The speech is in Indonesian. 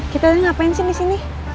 kita tadi ngapain sih disini